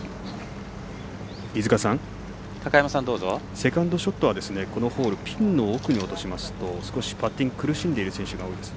セカンドショットはこのホールピンの奥に落としますとパッティング苦しんでいる選手が多いです。